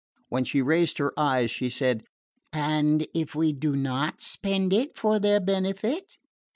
When she raised her eyes she said: "And if we do not spend it for their benefit